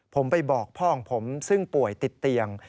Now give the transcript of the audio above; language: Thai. ผมไปบอกพ่อของผมซึ่งป่วยติดเตียง